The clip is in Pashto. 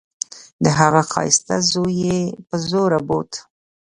د هغه ښايسته زوى يې په زوره بوت.